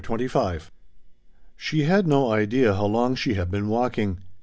CHAPTER XXV She had no idea how long she had been walking.